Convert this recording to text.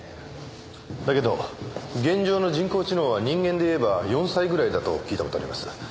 だけど現状の人工知能は人間でいえば４歳ぐらいだと聞いた事あります。